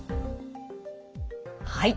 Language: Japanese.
はい。